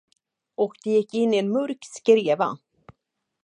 Och de gick in i en mörk skreva.